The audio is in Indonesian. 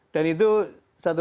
dan itu satu